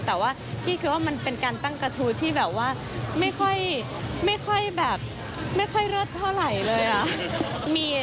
แต่ว่ากี้คิดว่ามันเป็นการตั้งกระทู้ที่ไม่ค่อยเลิศเท่าไหร่เลย